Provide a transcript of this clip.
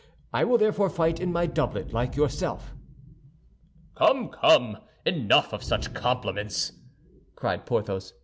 I will therefore fight in my doublet, like yourself." "Come, come, enough of such compliments!" cried Porthos.